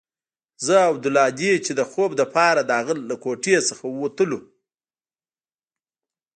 زه او عبدالهادي چې د خوب لپاره د هغه له کوټې څخه وتلو.